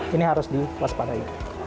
ini harus diwaspadai